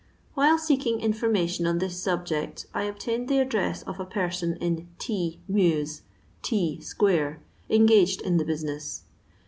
While seeking information on this subject I obtained the address of a person in T mews, T square, engaged in the business.